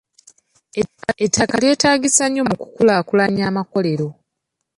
Ettaka lyeetaagisa nnyo mu ku kulaakulanya amakolero.